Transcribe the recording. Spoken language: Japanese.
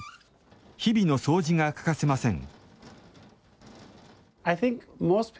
日々の掃除が欠かせません。